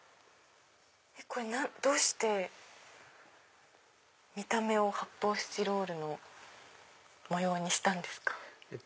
どうして見た目を発泡スチロールの模様にしたんですか？